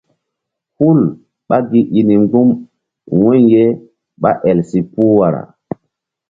Hul ɓá gi i ni mgbu̧m wu̧y ye ɓá el si puh wara.